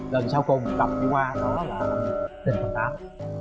lần sau cùng tập đi qua đó là trình văn tám